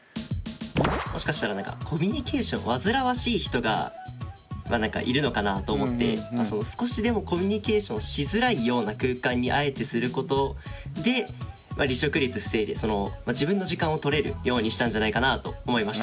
もしかしたらコミュニケーション煩わしい人がいるのかなと思って少しでもコミュニケーションしづらいような空間にあえてすることで離職率防いで自分の時間をとれるようにしたんじゃないかなあと思いました。